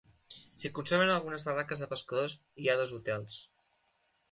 S'hi conserven algunes barraques de pescadors i hi ha dos hotels.